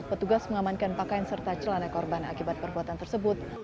petugas mengamankan pakaian serta celana korban akibat perbuatan tersebut